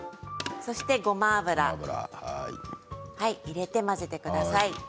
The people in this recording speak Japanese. そしてごま油入れて混ぜてください。